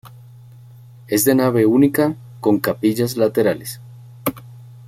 Es de nave única con capillas laterales.